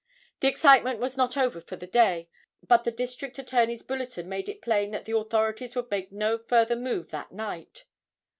The excitement was not over for the day, but the District Attorney's bulletin made it plain that the authorities would make no further move that night.